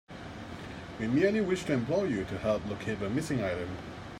We merely wish to employ you to help locate a missing item.